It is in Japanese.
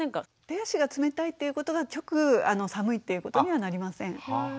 手足が冷たいっていうことが直寒いっていうことにはなりません。